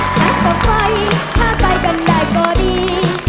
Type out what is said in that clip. นับกับไฟพาไปกันได้ก็ดี